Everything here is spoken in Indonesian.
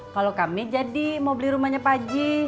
kalau kami jadi mau beli rumahnya pak haji